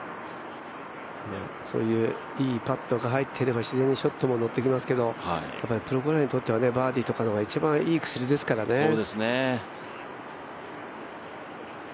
そういういいパットが入っていれば自然にショットも乗ってきますけどやっぱりプロゴルファーにとってはバーディーとかが一番いい薬ですからね。